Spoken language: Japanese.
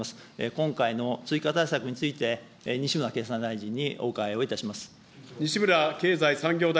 今回の追加対策について、西村経産大臣にお伺いをいたします。